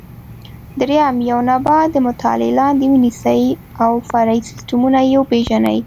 درېیم: یو نبات د مطالعې لاندې ونیسئ او فرعي سیسټمونه یې وپېژنئ.